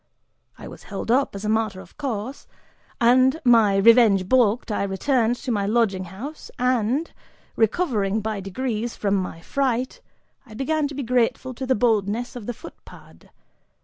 I was held up, as a matter of course, and, my revenge balked, I returned to my lodging house and, recovering by degrees from my fright, I began to be grateful to the boldness of the footpad.